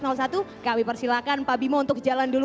berarti topiknya adalah ketenaga kerjaan dan juga sosial dan budaya